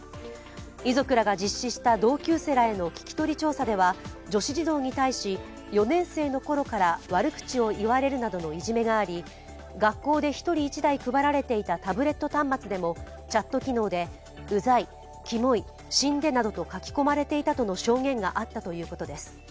遺族らが実施した同級生らへの聞き取り調査では、女子児童に対し４年生のころから悪口を言われるなどのいじめがあり、学校で１人１台配られていたタブレット端末でもチャット機能でうざい、きもい、死んでなどと書き込まれていたとの証言があったとのことです。